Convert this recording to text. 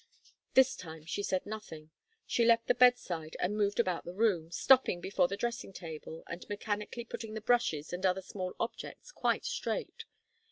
This time she said nothing. She left the bedside and moved about the room, stopping before the dressing table and mechanically putting the brushes and other small objects quite straight.